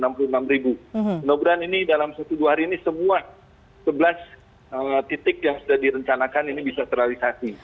mudah mudahan ini dalam satu dua hari ini semua sebelas titik yang sudah direncanakan ini bisa terrealisasi